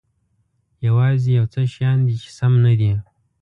یوازې یو څه شیان دي چې سم نه دي.